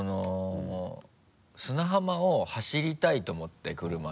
砂浜を走りたいと思って車で。